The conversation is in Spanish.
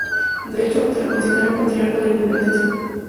De hecho, se le considera el "Patriarca de la Independencia".